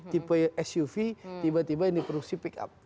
tipe suv tiba tiba ini produksi pick up